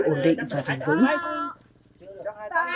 viện vi sinh và chống dịch stanford